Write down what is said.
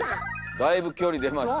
だいぶ距離出ました。